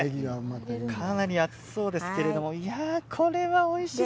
かなり熱そうですけれどもこれはおいしそうです！